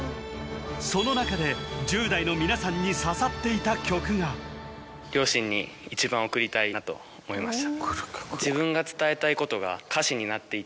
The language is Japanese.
その中で１０代の皆さんに刺さっていた曲が両親に一番贈りたいなと思いました